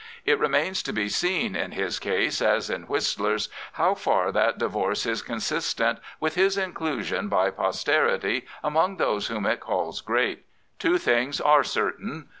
It remains to be seen in his case as in Whistler's how far that divorce is con sistent with his inclusion by posterity among those whom it calls " great." Two things are certain.